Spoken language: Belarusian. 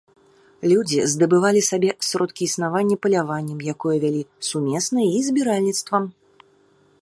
Людзі здабывалі сабе сродкі існавання паляваннем, якое вялі сумесна, і збіральніцтвам.